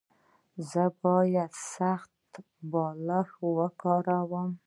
ایا زه باید سخت بالښت وکاروم؟